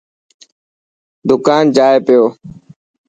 دڪان جائي پيو.